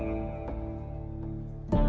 aku lebih dari kamu barky